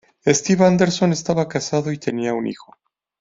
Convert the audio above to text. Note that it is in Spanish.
Steve Anderson estaba casado y tenía un hijo.